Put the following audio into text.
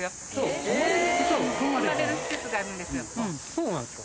そうなんですか。